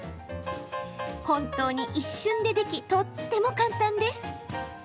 本当に一瞬でできとっても簡単です。